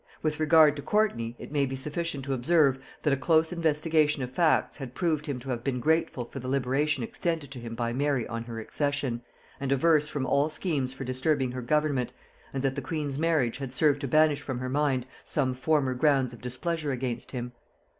With regard to Courtney it may be sufficient to observe, that a close investigation of facts had proved him to have been grateful for the liberation extended to him by Mary on her accession, and averse from all schemes for disturbing her government, and that the queen's marriage had served to banish from her mind some former grounds of displeasure against him.